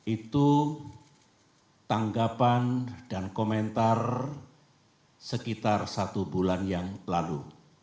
itu tanggapan dan komentar sekitar satu bulan yang lalu